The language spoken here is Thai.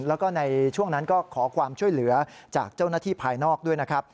แล้วก็ในช่วงนั้นก็ขอความช่วยเหลือจากเจ้าหน้าที่ภายนอกด้วยนะครับ